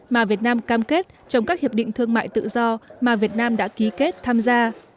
mà việt nam cam kết trong các hiệp định thương mại tự do mà việt nam đã ký kết tham gia